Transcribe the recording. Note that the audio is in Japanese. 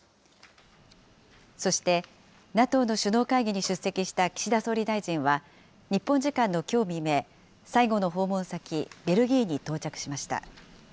そしてＮＡＴＯの首脳会議に出席した岸田総理大臣は、日本時間のきょう未明、最後の訪問先、ベルギーに到着しました。